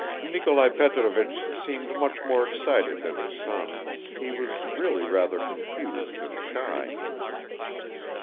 Nikolai Petrovich seemed much more excited than his son; he was really rather confused and shy.